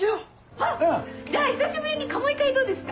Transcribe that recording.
あっじゃあ久しぶりに鴨居会どうですか？